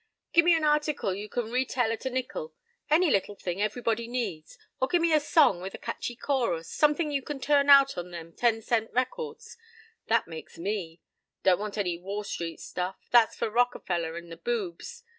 — "Gi' me an article you can retail at a nickel—any little thing everybody needs—or gi' me a song with a catchy chorus—something you can turn out on them ten cent records.—That makes me. Don't want any Wall Street stuff. That's for Rockefeller and the boobs.